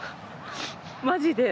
マジで？